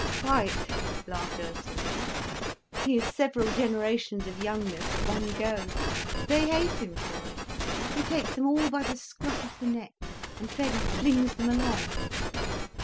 "Quite," laughed Ursula. "He is several generations of youngness at one go. They hate him for it. He takes them all by the scruff of the neck, and fairly flings them along.